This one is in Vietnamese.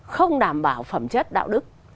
không đảm bảo phẩm chất đạo đức